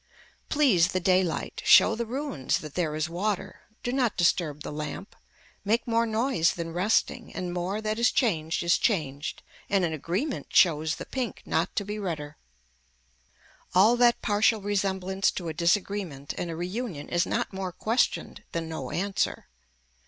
Please the daylight, show the ruins that there is water, do not disturb the lamp, make more noise than resting and more that is changed is changed and an agreement shows the pink not to be redder. All that partial resemblance to a disagreement and a reunion is not more questioned than no answer.